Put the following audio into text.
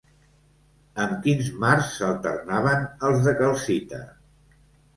Amb quins mars s'alternaven els de calcita?